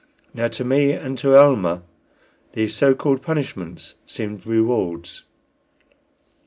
Now, to me and to Almah these so called punishments seemed rewards.